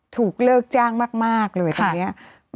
ถูกเลิกจ้างมากเลยตอนนี้